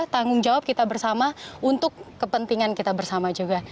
tanggung jawab kita bersama untuk kepentingan kita bersama juga